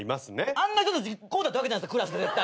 あんな人たちこうだったわけじゃんクラスで絶対。